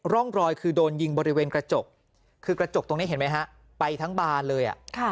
ร่องรอยคือโดนยิงบริเวณกระจกคือกระจกตรงนี้เห็นไหมฮะไปทั้งบานเลย